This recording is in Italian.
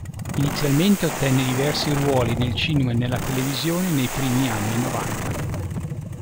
Inizialmente ottenne diversi ruoli nel cinema e nella televisione nei primi anni novanta.